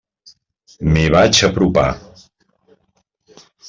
M'hi vaig apropar.